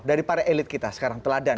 dari para elit kita sekarang teladan